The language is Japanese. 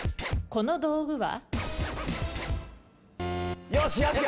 この道具は？